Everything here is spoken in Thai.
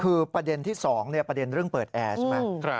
คือประเด็นที่๒ประเด็นเรื่องเปิดแอร์ใช่ไหม